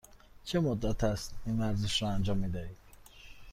چه مدت است این ورزش را انجام می دهید؟